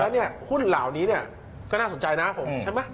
แล้วหุ้นเหล่านี้ก็น่าสนใจนะใช่ไหม